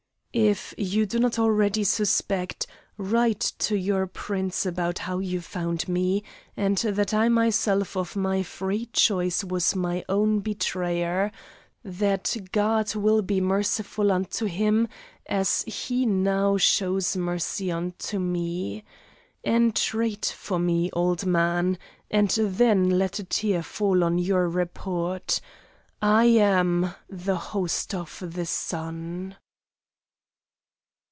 "If you do not already suspect write to your prince how you found me, and that I myself of my free choice was my own betrayer that God will be merciful unto him as he now shows mercy unto me. Entreat for me, old man, and then let a tear fall on your report: I am the 'Host of the Sun.